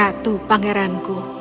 aku bukan ratu pangeranku